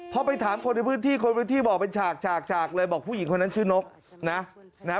พอไปถามคนในพื้นที่คนพื้นที่บอกเป็นฉากฉากฉากเลยบอกผู้หญิงคนนั้นชื่อนกนะนะฮะ